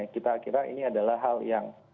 kita kira ini adalah hal yang